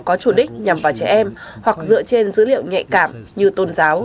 có chủ đích nhằm vào trẻ em hoặc dựa trên dữ liệu nhạy cảm như tôn giáo